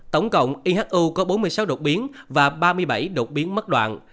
tổng cộng ihu có bốn mươi sáu đột biến và ba mươi bảy đột biến mất đoàn